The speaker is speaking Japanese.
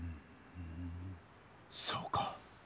そうか。